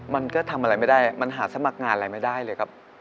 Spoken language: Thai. มันก็ทำอะไรไม่ได้มันหาสมัครงานอะไรไม่ได้เลยครับ